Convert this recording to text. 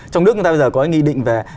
trong nước chúng ta bây giờ có ý định về